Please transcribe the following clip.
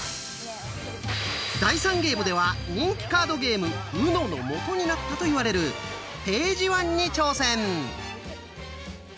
第３ゲームでは人気カードゲーム「ＵＮＯ」のもとになったと言われる「ページワン」に挑戦！